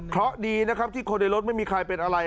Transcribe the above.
เพราะดีนะครับที่คนในรถไม่มีใครเป็นอะไร